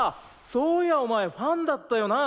そういやお前ファンだったよな？